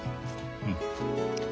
うん。